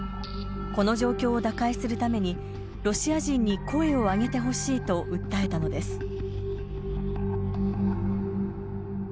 この状況を打開するためにロシア人に声を上げてほしいと訴えたのです。